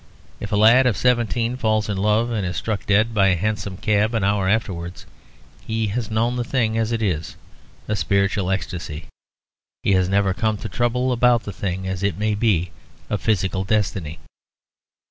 If a lad of seventeen falls in love and is struck dead by a hansom cab an hour afterwards, he has known the thing as it is, a spiritual ecstasy; he has never come to trouble about the thing as it may be, a physical destiny.